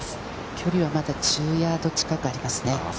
距離は１０ヤード近くありますね。